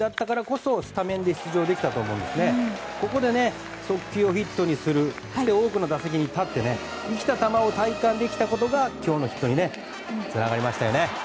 そして、多くの打席に立って生きた球を体感できたことが今日のヒットにつながりましたよね。